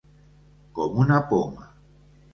Com una poma.